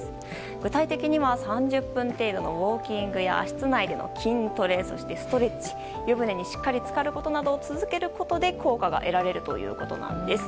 具体的には３０分程度のウォーキングや室内での筋トレそしてストレッチ湯船にしっかりつかることなどを続けることで効果が得られるということです。